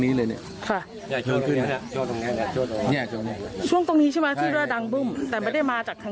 ไม่อยู่ตรงนี้